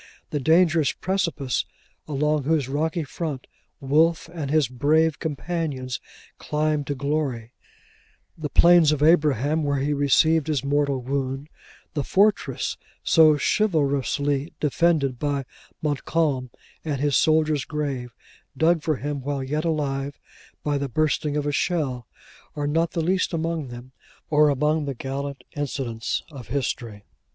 The dangerous precipice along whose rocky front, Wolfe and his brave companions climbed to glory; the Plains of Abraham, where he received his mortal wound; the fortress so chivalrously defended by Montcalm; and his soldier's grave, dug for him while yet alive, by the bursting of a shell; are not the least among them, or among the gallant incidents of history.